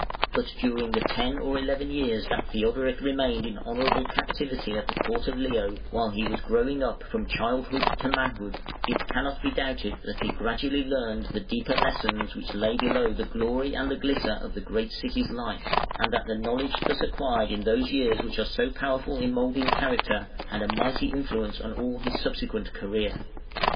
But during the ten or eleven years that Theodoric remained in honourable captivity at the court of Leo, while he was growing up from childhood to manhood, it cannot be doubted that he gradually learned the deeper lessons which lay below the glory and the glitter of the great city's life, and that the knowledge thus acquired in those years which are so powerful in moulding character, had a mighty influence on all his subsequent career.